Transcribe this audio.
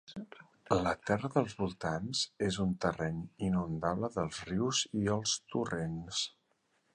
La terra dels voltants és un terreny inundable dels rius i els torrents.